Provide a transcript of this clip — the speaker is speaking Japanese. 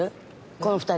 この２人。